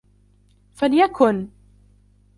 فليكن!